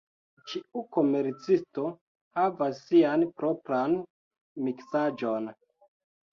Ĉiu komercisto havas sian propran miksaĵon.